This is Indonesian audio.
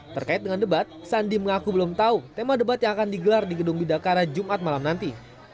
terkait dengan debat sandi mengaku belum tahu tema debat yang akan digelar di gedung bidakara jumat malam nanti